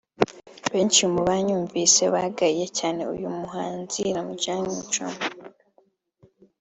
benshi mu bayumvise bagaye cyane uyu muhanzi Ramjaane Muchoma